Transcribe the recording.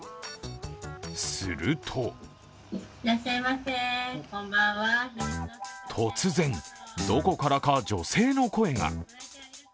すると突然、どこからか女性の声が。